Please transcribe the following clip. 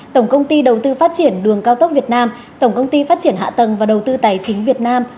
tổng công ty đầu tư phát triển đường cao tốc việt nam tổng công ty phát triển hạ tầng và đầu tư tài chính việt nam